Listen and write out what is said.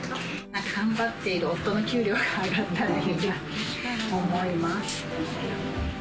頑張っている夫の給料が上がったらいいなと思います。